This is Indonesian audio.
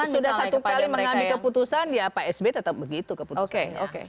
sudah satu kali mengambil keputusan ya psb tetap begitu keputusan